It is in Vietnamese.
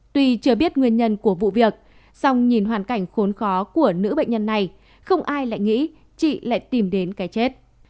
tuy chưa biết nguyên nhân của vụ việc song nhìn hoàn cảnh khốn khó của nữ bệnh nhân này không ai lại nghĩ chị lại tìm đến cái chết